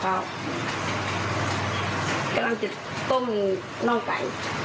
ก็กำลังจะต้มนอกไก่